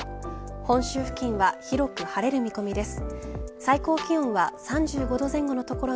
本州付近は広く晴れる見込みです。